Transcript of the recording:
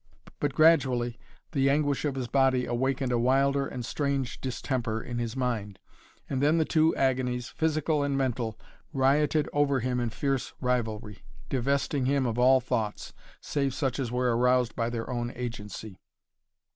But gradually the anguish of his body awakened a wilder and strange distemper in his mind, and then the two agonies, physical and mental, rioted over him in fierce rivalry, divesting him of all thoughts, save such as were aroused by their own agency.